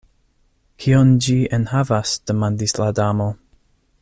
"Kion ĝi enhavas?" demandis la Damo.